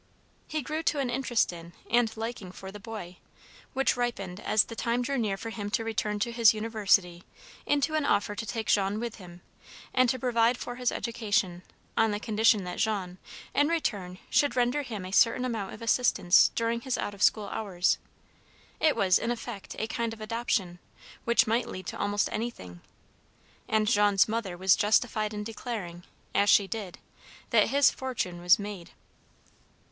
He grew to an interest in and liking for the boy, which ripened, as the time drew near for him to return to his university, into an offer to take Jean with him, and provide for his education, on the condition that Jean, in return, should render him a certain amount of assistance during his out of school hours. It was, in effect, a kind of adoption, which might lead to almost anything; and Jean's mother was justified in declaring, as she did, that his fortune was made.